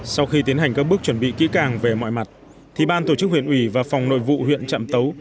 sau khi tiến hành các bước chuẩn bị kỹ càng về mọi mặt thì ban tổ chức huyện ủy và phòng nội vụ huyện trạm tấu